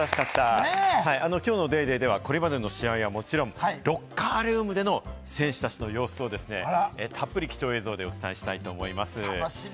きょうの『ＤａｙＤａｙ．』ではこれまでの試合はもちろん、ロッカールームでの選手たちの様子をたっぷり貴重映像でお伝えしたいと思います。